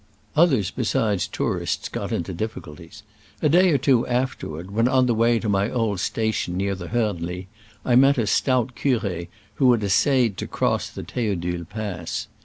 Others besides tourists got into dif ficulties. A day or two afterward, when on the way to my old station near the Hbrnli, I met a stout cur6 who had es sayed to cross the Theodule pass.